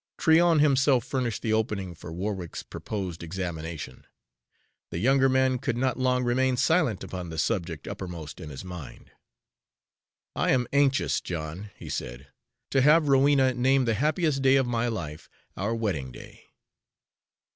Tryon himself furnished the opening for Warwick's proposed examination. The younger man could not long remain silent upon the subject uppermost in his mind. "I am anxious, John," he said, "to have Rowena name the happiest day of my life our wedding day.